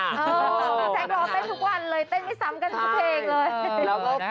พี่แจ๊ครอเต้นทุกวันเลยเต้นไม่ซ้ำกันทุกเพลงเลย